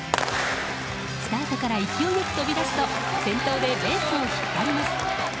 スタートから勢いよく飛び出すと先頭でレースを引っ張ります。